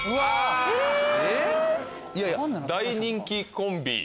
え⁉大人気コンビ。